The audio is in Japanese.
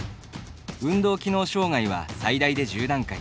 運動機能障がいは最大で１０段階。